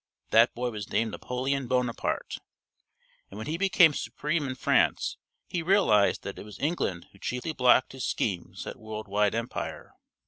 That boy was named Napoleon Bonaparte, and when he became supreme in France he realized that it was England who chiefly blocked his schemes at world wide empire.